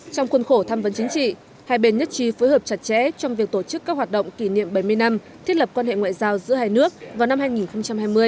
trong khuôn khổ tham vấn chính trị hai bên nhất trí phối hợp chặt chẽ trong việc tổ chức các hoạt động kỷ niệm bảy mươi năm thiết lập quan hệ ngoại giao giữa hai nước vào năm hai nghìn hai mươi